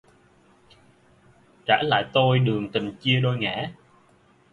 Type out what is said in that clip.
Trả lại tôi đường tình chia đôi ngả